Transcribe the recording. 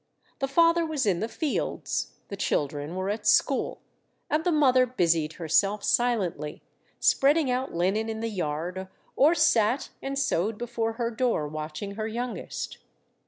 The father was in the fields, the children were at school, and the mother busied herself silently, spreading out linen in the yard, or sat and sewed before her door, watching her youngest.